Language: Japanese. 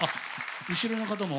後ろの方も？